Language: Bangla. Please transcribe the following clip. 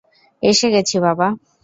এসে গেছি বাবা।